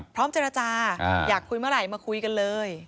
พร้อมเจรจาอยากคุยเมื่อไหร่มาคุยกันเลย